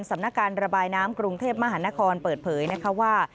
สำนักการระบายน้ำกรุงเทพมหานครเปิดเผยนะคะว่า